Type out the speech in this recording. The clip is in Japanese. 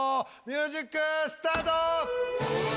ミュージックスタート！